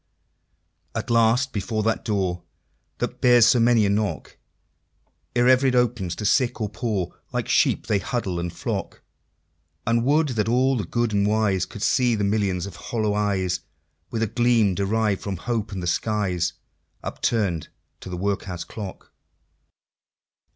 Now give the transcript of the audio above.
At last, before that door That bears so many a knock Ere ever it opens to Sick or Poor, Like sheep they huddle and flock And would that all the Good and Wise Could see the Million of hollow eyes, With a gleam deriv'd from Hope and the skies, Upturn'd to the Workhouse Clock!